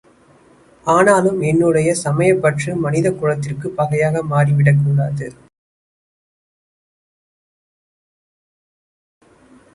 ஆனாலும், என்னுடைய சமயப்பற்று மனித குலத்திற்குப் பகையாக மாறிவிடக்கூடாது.